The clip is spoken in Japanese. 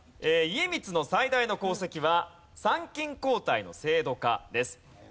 家光の最大の功績は参勤交代の制度化です。